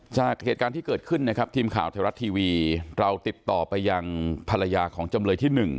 จากเหตุการณ์ที่เกิดขึ้นนะครับทีมข่าวไทยรัฐทีวีเราติดต่อไปยังภรรยาของจำเลยที่๑